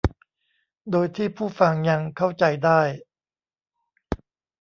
โดยที่ผู้ฟังยังเข้าใจได้